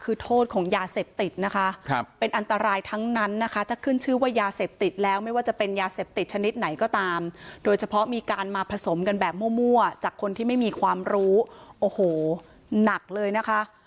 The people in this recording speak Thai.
คือโทษของยาเสพติดนะคะเป็นอันตรายทั้งนั้นนะคะถ้าขึ้นชื่อว่ายาเสพติดแล้วไม่ว่าจะเป็นยาเสพติดชนิดไหนก็ตามโดยเฉพาะมีการมาผสมกันแบบมั่วจากคนที่ไม่มีความรู้โอ้โหหนักเลยนะคะ